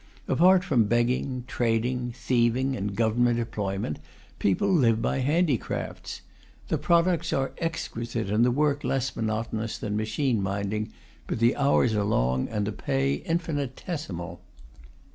Apart from begging, trading, thieving and Government employment, people live by handicrafts. The products are exquisite and the work less monotonous than machine minding, but the hours are long and the pay infinitesimal.